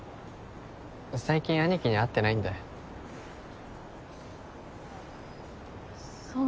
最近兄貴に会ってないんでそう